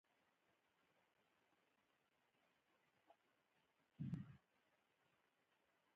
د نایجېریا هېواد متل وایي ځای موندل له پټولو سخت دي.